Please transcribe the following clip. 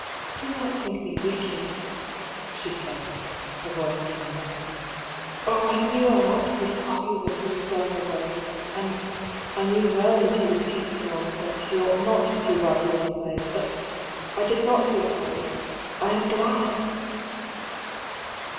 "Do not think me wicked," she said, her voice trembling. " Oh, I knew I ought to be sorry when he was going away — and I knew well that he would see someone that he ought not to see while he is away — but I did not feel sorry, I am glad